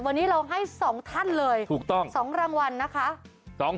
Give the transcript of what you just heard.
วันนี้เราให้๒ท่านเลย๒รางวัลนะคะ